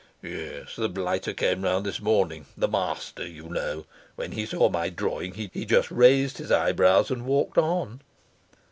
"Yes. The blighter came round this morning the master, you know; when he saw my drawing he just raised his eyebrows and walked on."